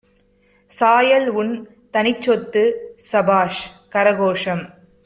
சாயல்உன் தனிச்சொத்து! ஸபாஷ்! கரகோஷம்!